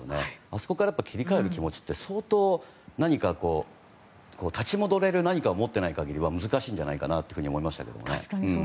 あそこから切り替える気持ちって相当、立ち戻れる何かを持ってない限りは難しいんじゃないかと思いましたけどね。